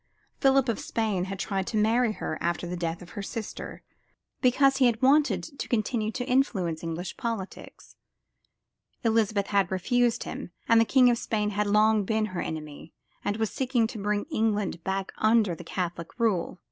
Philip of Spain had tried to marry her after the death of her sister, because he wanted to continue to influence English politics. Elizabeth had refused him and the King of Spain had long been her enemy, and was seeking to bring England back under the Catholic rule.